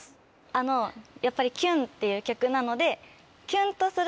あのやっぱり『キュン』っていう曲なので。